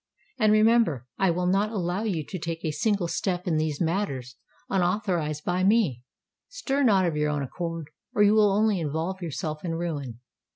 And remember—I will not allow you to take a single step in these matters, unauthorised by me. Stir not of your own accord—or you will only involve yourself in ruin.